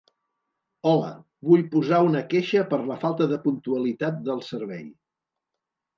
Hola, vull posar una queixa per la falta de puntualitat del servei.